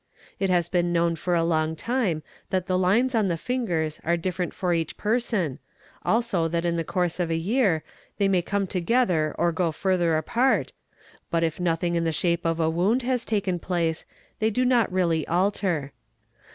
It has been known for a long time that the lines on the fingers are different for each person, alsc that in the course of a year they may come together or go further apart, but if nothing in the shape of a wound has taken place they do not really alter.